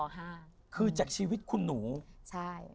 และชีวิตคุณหนูใช่